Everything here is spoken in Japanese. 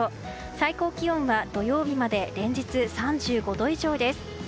最高気温は土曜日まで連日３５度以上です。